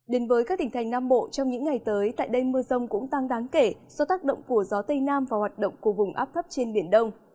đến với các tỉnh thành nam bộ trong những ngày tới tại đây mưa rông cũng tăng đáng kể do tác động của gió tây nam và hoạt động của vùng áp thấp trên biển đông